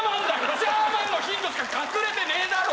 ジャーマンのヒントしか隠れてねえだろ！